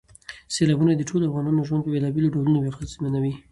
سیلابونه د ټولو افغانانو ژوند په بېلابېلو ډولونو اغېزمنوي.